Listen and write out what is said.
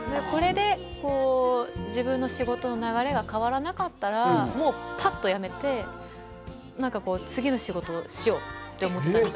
これで自分の仕事の流れが変わらなかったらぱっと辞めて次の仕事をしようと思ったんです。